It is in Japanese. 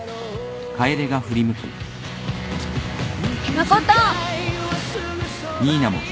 誠！